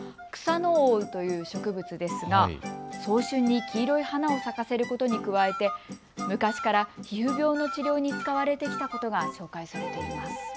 クサノオウという植物ですが早春に黄色い花を咲かせることに加えて昔から皮膚病の治療に使われてきたことが紹介されています。